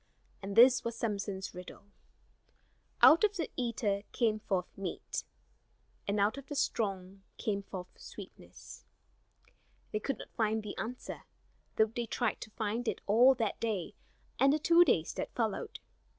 And this was Samson's riddle: "Out of the eater came forth meat, And out of the strong came forth sweetness." They could not find the answer, though they tried to find it all that day and the two days that followed.